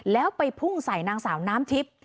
แล้วไปพุ่งใส่นางสาวน้ำทิพย์